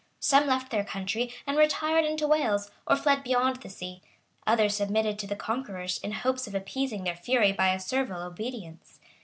Some left their country and retired into Wales, or fled beyond sea; others submitted to the conquerors, in hopes of appeasing their fury by a servile obedience.